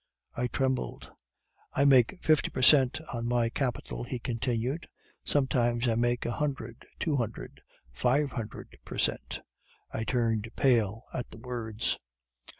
"I trembled. "'I make fifty per cent on my capital,' he continued, 'sometimes I make a hundred, two hundred, five hundred per cent.' "I turned pale at the words.